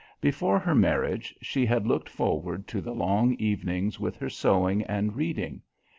Before her marriage she had looked forward to the long evenings with her sewing and reading.